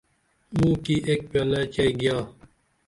مُوکی اک پیالہ چئی گیا